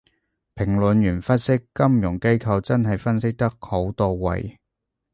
評論員分析金融機構真係分析得好到位